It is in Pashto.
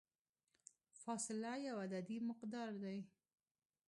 فاصله یو عددي مقدار دی.